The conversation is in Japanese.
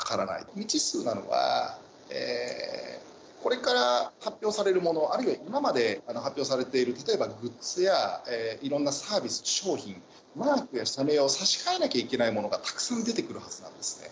未知数なのは、これから発表されるもの、あるいは今まで発表されている、例えばグッズやいろんなサービス、商品、マークや社名を差し替えなきゃいけないものがたくさん出てくるはずなんですね。